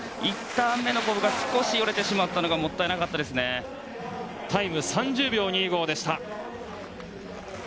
１ターン目のコブがよれてしまったのがタイムは３０秒２５。